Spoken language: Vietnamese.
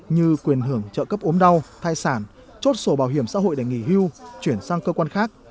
như quyền hưởng trợ cấp ốm đau thai sản chốt sổ bảo hiểm xã hội để nghỉ hưu chuyển sang cơ quan khác